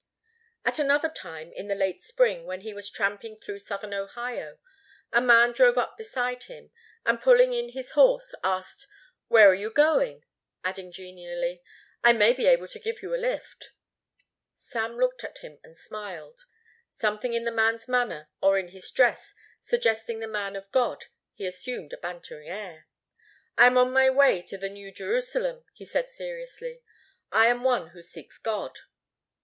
At another time, in the late spring, when he was tramping through southern Ohio, a man drove up beside him, and pulling in his horse, asked, "Where are you going?" adding genially, "I may be able to give you a lift." Sam looked at him and smiled. Something in the man's manner or in his dress suggesting the man of God, he assumed a bantering air. "I am on my way to the New Jerusalem," he said seriously. "I am one who seeks God."